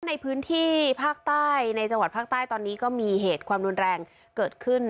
ในพื้นที่ภาคใต้ในจังหวัดภาคใต้ตอนนี้ก็มีเหตุความรุนแรงเกิดขึ้น